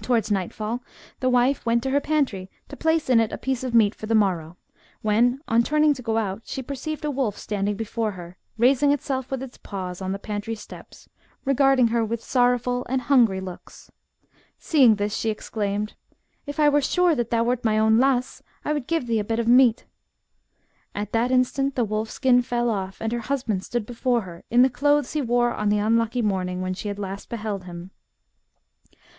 Towards night fall the wife went to her pantry to place in it a piece of meat for the morrow, when, on turning to go out, she perceived a wolf standing before her, raising itself with its paws on the pantry steps, regarding her with sorrowful and hungry looks. Seeing this she exclaimed, "If I were sure that thou wert my own Lasse, I would give thee a bit of meat." At that instant the wolf skin fell off, and her husband stood before her in the clothes he wore on the unlucky morning when she had last beheld him.